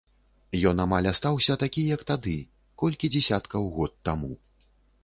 Ён амаль астаўся такі, як тады, колькі дзесяткаў год таму.